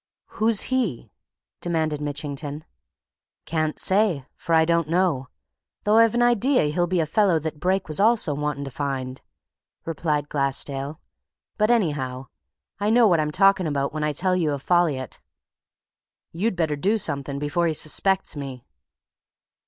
"Who's he?" demanded Mitchington. "Can't say, for I don't know, though I've an idea he'll be a fellow that Brake was also wanting to find," replied Glassdale. "But anyhow, I know what I'm talking about when I tell you of Folliot. You'd better do something before he suspects me."